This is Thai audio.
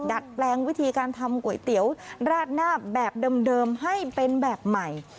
ดัดแปลงวิธีการทำก๋วยเตี๋ยวราดหน้าแบบเดิมให้เป็นแบบใหม่